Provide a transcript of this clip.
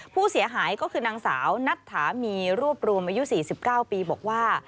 ผู้เสียหายก็คือนางสาวนัทธามีรวบรวมอายุ๔๙ปีบอกว่า